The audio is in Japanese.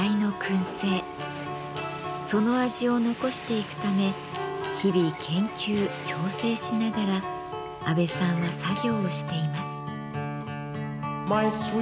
その味を残していくため日々研究調整しながら安倍さんは作業をしています。